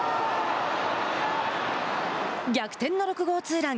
逆転の６号ツーラン。